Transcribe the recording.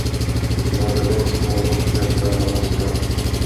Madeleine smålog helt överraskad.